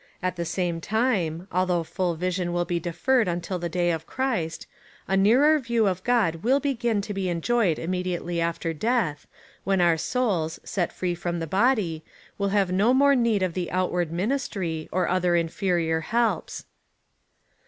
At the same time, although full vision will be deferred until the day of Christ, a nearer view of God will begin to be enjoyed imme diately after death, when our souls, set free from the body, will have no more need of the outward ministry, or other inferior helps.